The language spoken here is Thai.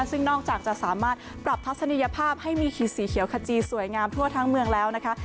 ซึ่งนอกจากจะสามารถปรับทัศนียภาพให้มีขีดสีเขียวขจีสวยงามทั่วทั้งเมืองแล้วนะคะ